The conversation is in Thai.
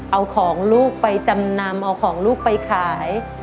เอาของลูกไปจำนำเอาของลูกไปขาย